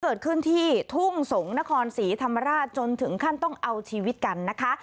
เกิดขึ้นที่ทุ่งสงศ์นครศรีธรรมราชจนถึงขั้นต้องเอาชีวิตกันนะคะ